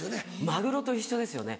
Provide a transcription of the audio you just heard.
マグロと一緒ですよね